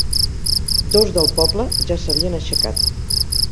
Dos del Poble ja s'havien aixecat.